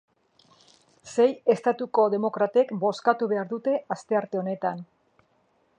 Sei estatutako demokratek bozkatu behar dute astearte honetan.